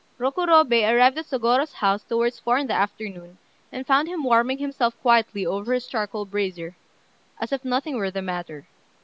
Rokurobei arrived at Sôgorô's house towards four in the afternoon, and found him warming himself quietly over his charcoal brazier, as if nothing were the matter.